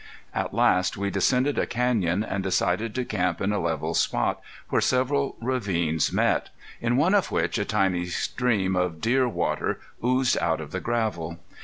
At last we descended a canyon, and decided to camp in a level spot where several ravines met, in one of which a tiny stream of dear water oozed out of the gravel.